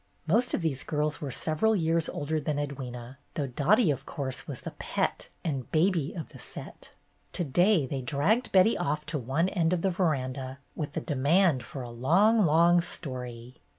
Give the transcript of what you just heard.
Most of these girls were several years older than Edwyna, though Dottie, of course, was the pet and baby of the "set." To day they dragged Betty off to one end of the veranda, with the demand for "a long, long story."